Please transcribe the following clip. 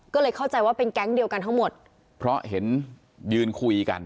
ก็เลยเข้าใจว่าเป็นแก๊งเดียวกันทั้งหมดเพราะเห็นยืนคุยกัน